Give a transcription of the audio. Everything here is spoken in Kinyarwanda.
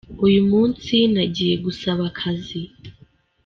Uyu munsi nagiye gusaba akazi.